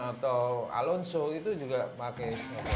atau alonso itu juga pakai